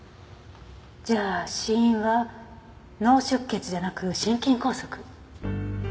じゃあ死因は脳出血じゃなく心筋梗塞。